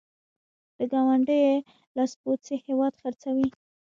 د ګاونډیو لاسپوڅي هېواد خرڅوي.